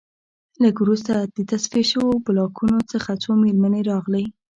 لږ وروسته د تصفیه شویو بلاکونو څخه څو مېرمنې راغلې